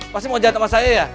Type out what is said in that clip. pasti mau jahat sama saya ya